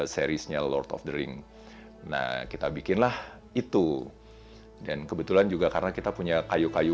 seriesnya lord of the ring nah kita bikinlah itu dan kebetulan juga karena kita punya kayu kayu